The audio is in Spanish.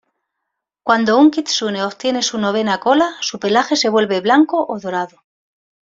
Cuando un kitsune obtiene su novena cola, su pelaje se vuelve blanco o dorado.